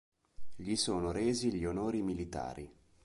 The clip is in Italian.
Gli sono resi gli onori militari.